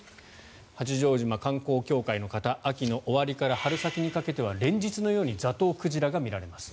八丈島観光協会の方秋の終わりから春先にかけては連日のようにザトウクジラが見られます。